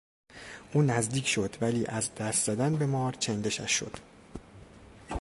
او نزدیک شد ولی از دست زدن به مار چندشش شد.